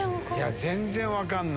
全然分かんない。